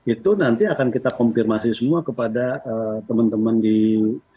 itu nanti akan kita konfirmasi semua kepada teman teman di